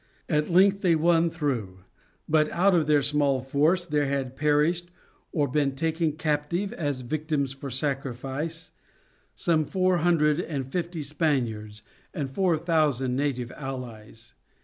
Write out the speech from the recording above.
At length they won through, but out of their small force there had perished, or been taken captive as victims for sacrifice, some four hundred and fifty Spaniards and four thousand native allies.